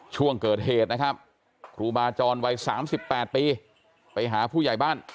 ช่วงเกิดเหตุนะครับครูบาจรวัย๓๘ปีไปหาผู้ใหญ่บ้าน